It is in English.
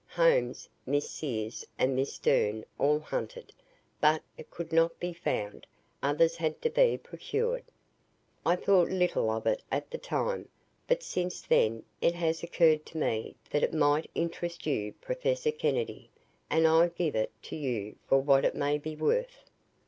Holmes, Miss Sears and Miss Stern all hunted, but it could not be found. Others had to be procured. I thought little of it at the time, but since then it has occurred to me that it might interest you, Professor Kennedy, and I give it to you for what it may be worth.